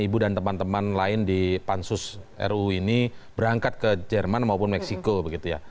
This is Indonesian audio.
ibu dan teman teman lain di pansus ruu ini berangkat ke jerman maupun meksiko begitu ya